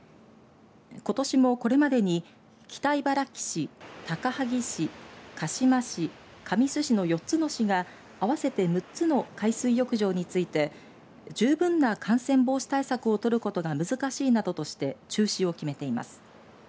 ことしも、これまでに北茨城市高萩市、鹿嶋市神栖市の４つの市が合わせて６つの海水浴場について十分な感染防止対策をとることが難しいなどとして中止を決めています。